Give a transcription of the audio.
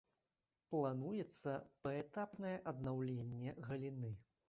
Плануецца паэтапнае аднаўленне галіны.